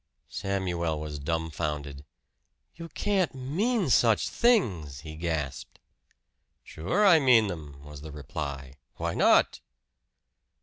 Samuel was dumfounded. "You can't mean such things!" he gasped. "Sure I mean them," was the reply. "Why not?"